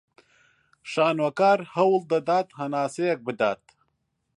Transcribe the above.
شانۆکار هەوڵ دەدات هەناسەیەک بدات